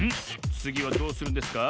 つぎはどうするんですか？